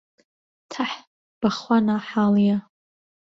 تەح، بەخوا ناحاڵییە